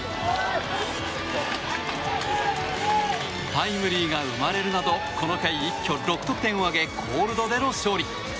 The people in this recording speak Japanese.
タイムリーが生まれるなどこの回、一挙６得点を挙げコールドでの勝利。